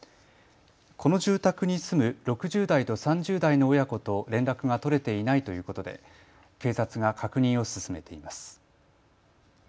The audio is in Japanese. この住宅に住む６０代と３０代の親子と連絡が取れていないということで警察が確認を進めています。